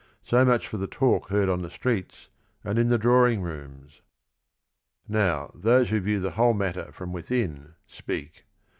So much for the talk heard uu the streets and in the drawing rooms 1 • Now those who view the whole matter from within speak.